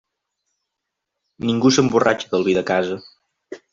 Ningú s'emborratxa del vi de casa.